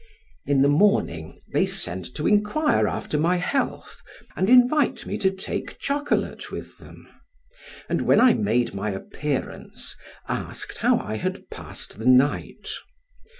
In the morning they sent to inquire after my health and invite me to take chocolate with them, and when I made my appearance asked how I had passed the night.